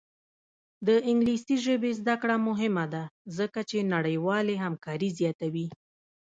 د انګلیسي ژبې زده کړه مهمه ده ځکه چې نړیوالې همکاري زیاتوي.